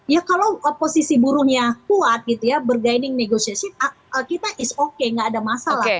ya kalau posisi buruhnya kuat bergaining negosiasi kita is okay tidak ada masalah